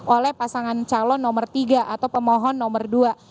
oleh pasangan calon nomor tiga atau pemohon nomor dua